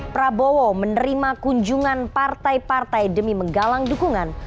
prabowo menerima kunjungan partai partai demi menggalang dukungan